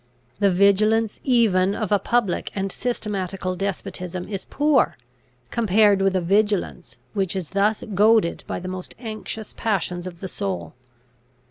The vigilance even of a public and systematical despotism is poor, compared with a vigilance which is thus goaded by the most anxious passions of the soul.